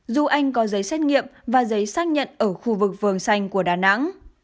du anh có giấy xét nghiệm và giấy xác nhận ở khu vực vườn xanh của đà nẵng